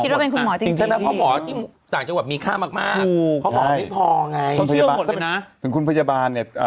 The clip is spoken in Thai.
เพราะว่าคุณหมอจริงอยู่ดังจังหวัดมีค่ามากเขาขอเธอผิดพอไง